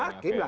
ya hakim lah